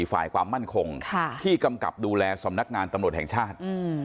ฝ่ายความมั่นคงที่กำกับดูแลสำนักงานตำรวจแห่งชาติ